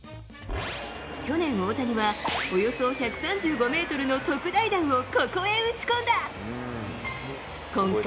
去年、大谷はおよそ１３５メートルの特大弾をここへ打ち込んだ。